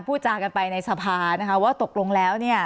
พูดจากันไปในสภานะคะว่าตกลงแล้วเนี่ย